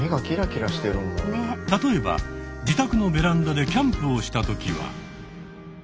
例えば自宅のベランダでキャンプをしたときは。